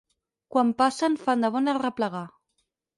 Quan passen fan de bon arreplegar.